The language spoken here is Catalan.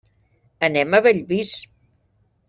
Anem a Bellvís.